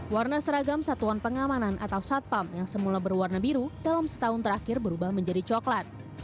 warna seragam satuan pengamanan atau satpam yang semula berwarna biru dalam setahun terakhir berubah menjadi coklat